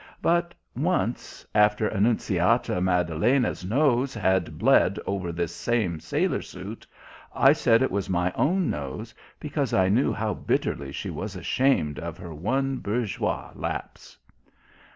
But once, after Annunciata Maddalena's nose had bled over this same sailor suit, I said it was my own nose, because I knew how bitterly she was ashamed of her one bourgeois lapse...."